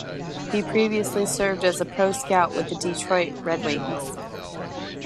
He previously served as pro scout with the Detroit Red Wings.